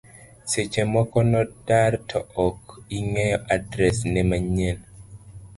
seche moko nodar to ok ing'eyo adres ne manyien,